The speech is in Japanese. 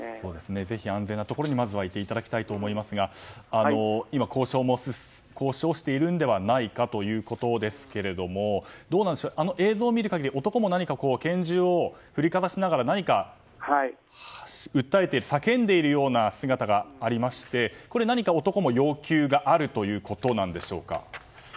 ぜひ安全なところにいていただきたいと思いますが交渉をしているのではないかということですがあの映像を見る限り男も拳銃を振りかざしながら何か訴えている叫んでいるような姿がありまして何か男も要求があるということでしょうか。